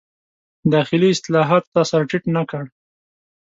داخلي اصلاحاتو ته سر ټیټ نه کړ.